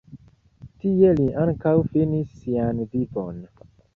Tie li ankaŭ finis sian vivon.